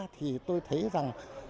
thì tôi thấy rằng